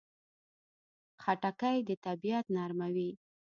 خټکی د طبعیت نرموي.